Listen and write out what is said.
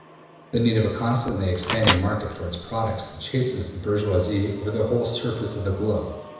'' ``The need of a constantly expanding market for its products chases the bourgeoisie over the whole surface of the globe.''